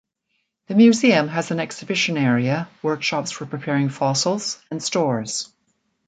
The museum has an exhibition area, workshops for preparing fossils, and stores.